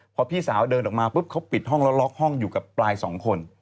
พอพี่สาวเดินออกมาปุ๊บเขาปิดห้องแล้วล็อกห้องอยู่กับปลายสองคน